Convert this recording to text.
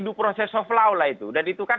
du proses of law lah itu dan itu kan